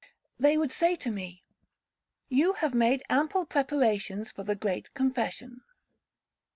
They would say to me, 'You have made ample preparations for the great confession.'